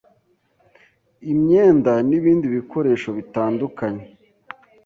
imyenda n’ibindi bikoresho bitandukanye